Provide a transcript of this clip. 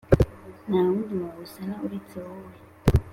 ko ntawundi wawusana uretse wowe!!"